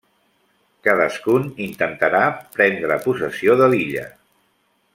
Cadascun intentarà prendre possessió de l'illa.